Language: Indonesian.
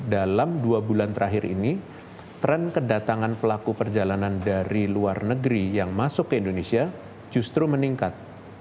dalam dua bulan terakhir ini tren kedatangan pelaku perjalanan dari luar negeri yang masuk ke indonesia justru meningkat